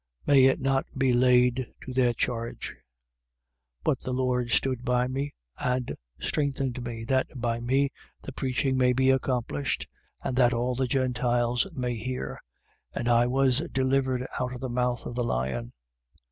May it not be laid to their charge! 4:17. But the Lord stood by me and strengthened me, that by me the preaching may be accomplished and that all the Gentiles may hear. And I was delivered out of the mouth of the lion.